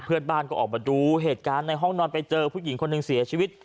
เพื่อนบ้านก็ออกมาดูเหตุการณ์ในห้องนอนไปเจอผู้หญิงคนหนึ่งเสียชีวิต